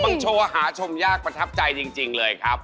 อลังขนาดไหนไปชมกันเลยครับ